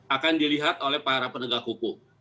akan dilihat oleh para penegak hukum